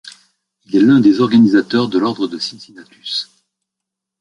Il est l'un des organisateurs de l'Ordre de Cincinnatus.